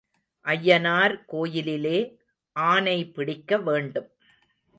ஐயனார் கோயிலிலே ஆனை பிடிக்க வேண்டும்.